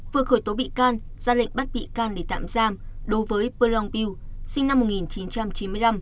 vừa khởi tố bị can ra lệnh bắt bị can để tạm giam đối với prong piu sinh năm một nghìn chín trăm chín mươi năm